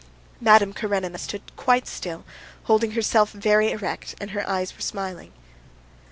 Madame Karenina stood quite still, holding herself very erect, and her eyes were smiling.